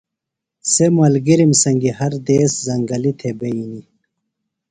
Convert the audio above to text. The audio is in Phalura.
سےۡ ملگِرِم سنگیۡ ہر دیس زنگلیۡ تھےۡ بئینیۡ۔